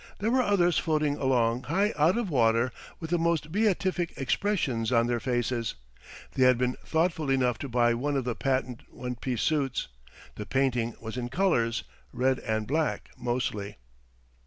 There were others floating along high out of water with the most beatific expressions on their faces. They had been thoughtful enough to buy one of the patent one piece suits. The painting was in colors, red and black mostly.